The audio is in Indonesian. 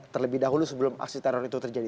terlebih dahulu sebelum aksi teror itu terjadi